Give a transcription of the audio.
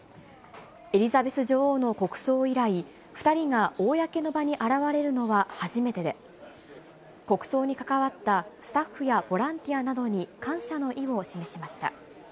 エリザベス女王の国葬以来、２人が公の場に現れるのは初めてで、国葬に関わったスタッフやボランティアなどに感謝の意を示しました。